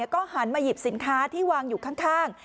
ก็หันมาหยิบสินค้าที่วางอยู่ข้าง